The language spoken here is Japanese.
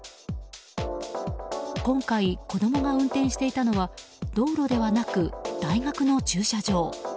今回子供が運転していたのは道路ではなく大学の駐車場。